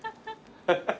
ハハハ。